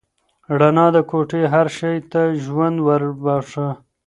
رڼا د کوټې هر شی ته ژوند ور وباښه.